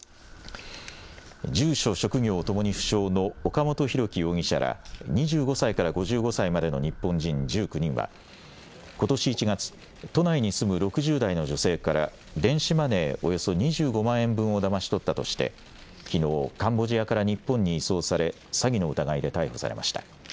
住所、職業ともに不詳の岡本大樹容疑者ら２５歳から５５歳までの日本人１９人は、ことし１月、都内に住む６０代の女性から、電子マネーおよそ２５万円分をだまし取ったとして、きのう、カンボジアから日本に移送され、詐欺の疑いで逮捕されました。